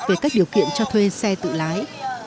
về các điều kiện cho thuê xe tự lái